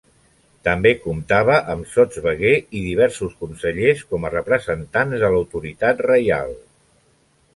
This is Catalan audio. També comptava amb sotsveguer i diversos consellers, com a representants de l'autoritat reial.